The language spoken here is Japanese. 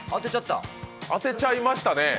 当てちゃいましたね。